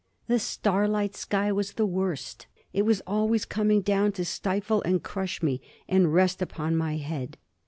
The starlight sky was the worst; it was always coming down to stifle and crush me, and rest upon my head."